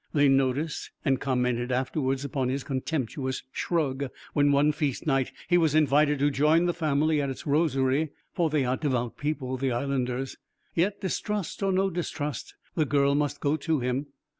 They noticed and commented afterwards upon his contemptuous shrug, when one feast night he was invited to join the family at its Rosary, for they are devout people, the Islanders. Yet, distrust or no distrust, the girl must go to him.